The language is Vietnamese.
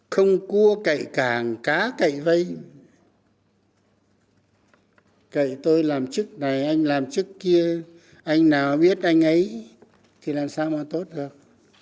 không cua cậy cảng cá cậy vây cậy tôi làm chức này anh làm chức kia anh nào biết anh ấy thì làm sao mà tốt được